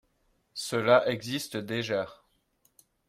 Cela existe déjà